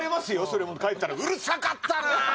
それも帰ったら「うるさかったな！